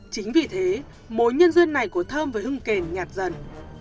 chính vì thế mối nhân duyên này của thơm với hưng kền nhạt dần